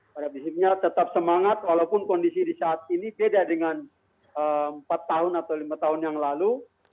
pada prinsipnya tetap semangat walaupun kondisi di saat ini beda dengan empat tahun atau lima tahun yang lalu